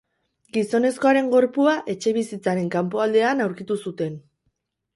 Gizonezkoaren gorpua etxebizitzaren kanpoaldean aurkitu zuten.